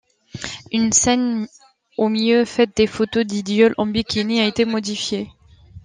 Une scène où Miu fait des photos d'idol en bikini a été modifiée.